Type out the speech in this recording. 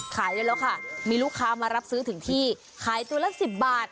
ขายได้แล้วค่ะมีลูกค้ามารับซื้อถึงที่ขายตัวละ๑๐บาท